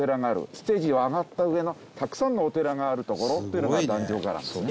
ステージを上がった上のたくさんのお寺がある所というのが壇上伽藍ですね。